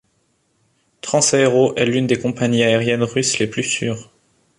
Transaéro est l'une des compagnies aériennes russes les plus sûres.